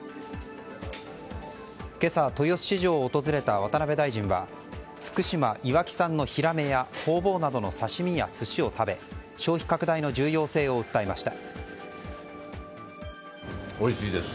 今朝、豊洲市場を訪れた渡辺大臣は福島・いわき産のヒラメやホウボウなどの刺し身や寿司を食べ消費拡大の重要性を訴えました。